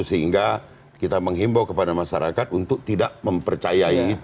sehingga kita menghimbau kepada masyarakat untuk tidak mempercayai itu